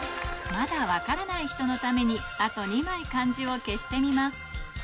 まだ分からない人のためにあと２枚漢字を消してみます